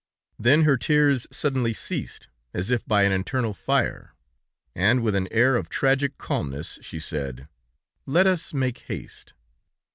Then her tears suddenly ceased, as if by an internal fire, and with an air of tragic calmness, she said: 'Let us make haste.'